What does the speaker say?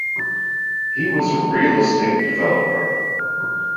He was a real estate developer.